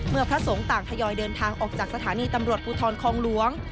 พระสงฆ์ต่างทยอยเดินทางออกจากสถานีตำรวจภูทรคองหลวง